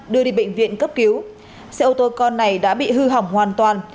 đưa đi bệnh viện cấp cứu xe ô tô con này đã bị hư hỏng hoàn toàn